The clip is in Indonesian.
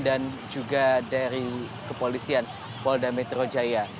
dan juga dari kepolisian polda metro jaya